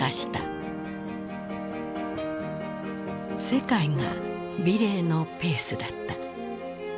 世界が美齢のペースだった。